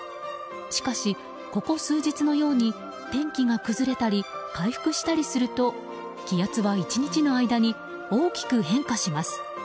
しかし、ここ数日のように天気が崩れたり回復したりすると気圧は１日の間に大きく変化します。